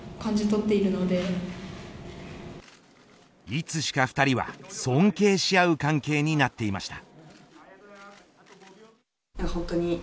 いつしか２人は尊敬し合う関係になっていました。